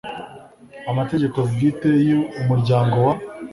amategeko bwite y Umuryango wa